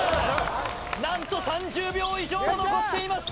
何と３０秒以上も残っています